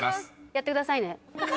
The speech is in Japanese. やってくださいね。